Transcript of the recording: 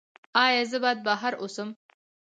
ایا زه باید بهر اوسم؟